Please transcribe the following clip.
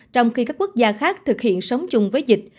trong khi các quốc gia khác thực hiện sống chung với dịch